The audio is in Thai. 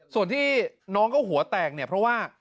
ส่วนที่น้องเขาหัวแตกเนี่ยเพราะว่า